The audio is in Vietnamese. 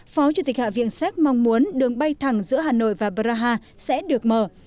phó chủ tịch hạ viện séc mong muốn đường bay thẳng giữa hà nội và praha sẽ được mở